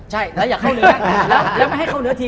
ใช่แล้วอยากเข้าเนื้อแล้วไม่ให้เข้าเนื้อที